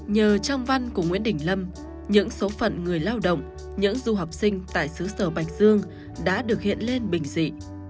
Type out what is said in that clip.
nhờ trong văn của nguyễn đình lâm những số phận người lao động những du học sinh tại xứ sở bạch dương đã được hiện lên bình dị